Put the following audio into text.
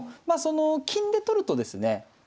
まあその金で取るとですね